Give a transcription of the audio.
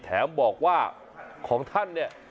แถมบอกว่าของท่านเนี่ย